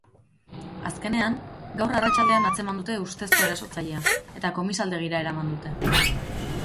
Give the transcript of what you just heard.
Azkenean, gaur arratsaldean atzeman dute ustezko erasotzailea eta komisaldegira eraman dute.